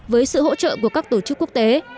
với sự hỗ trợ của các tổ chức quốc tế